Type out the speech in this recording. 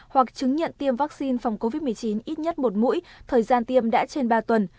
hoặc chứng nhận tiêm vaccine phòng covid một mươi chín ít nhất một mũi thời gian tiêm đã trên ba tuần